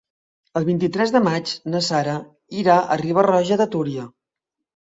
El vint-i-tres de maig na Sara irà a Riba-roja de Túria.